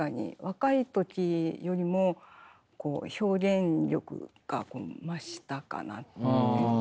若い時よりも表現力が増したかなって。